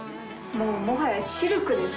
もはやシルクです